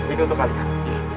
ini untuk kalian